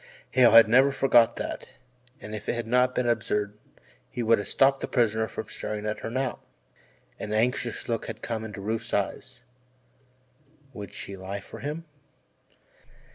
Hale had never forgot that, and if it had not been absurd he would have stopped the prisoner from staring at her now. An anxious look had come into Rufe's eyes would she lie for him?